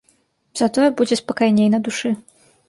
Затое будзе спакайней на душы.